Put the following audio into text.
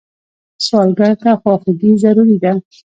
سوالګر ته خواخوږي ضروري ده